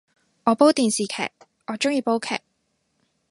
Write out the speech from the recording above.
我煲電視劇，我鍾意煲劇